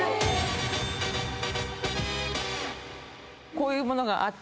こういうものがあった。